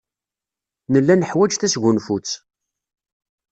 Nella neḥwaj tasgunfut.